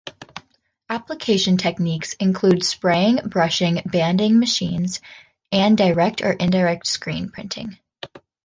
Application techniques include spraying, brushing, banding machines, and direct or indirect screen-printing.